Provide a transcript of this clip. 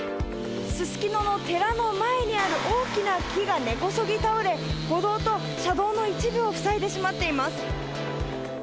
すすきのの寺の前にある大きな木が根こそぎ倒れ、歩道と車道の一部を塞いでしまっています。